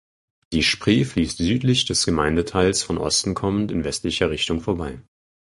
Die Spree fließt südlich des Gemeindeteils von Osten kommend in westlicher Richtung vorbei.